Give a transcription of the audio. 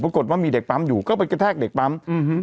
ปรับปรับปรับยอดว่ามีเด็กปั๊มอยู่ก็ไปกระแท้กเหล่คันนี้